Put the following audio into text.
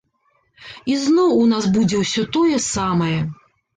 Ізноў у нас будзе ўсё тое самае.